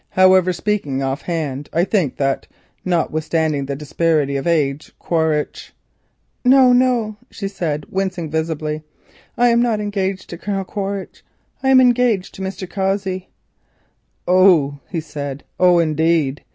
However, speaking off hand, I think that notwithstanding the disparity of age, Quaritch——" "No, no," she said, wincing visibly, "I am not engaged to Colonel Quaritch, I am engaged to Mr. Cossey." "Oh," he said, "oh, indeed!